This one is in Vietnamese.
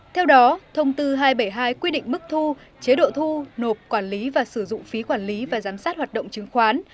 theo đó thông tư hai trăm bảy mươi hai quy định mức thu chế độ thu nộp quản lý và sử dụng phí quản lý và giám sát hoạt động chứng khoán